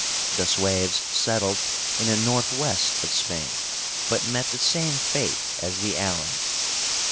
The Sueves settled in the northwest of Spain, but met the same fate as the Alans.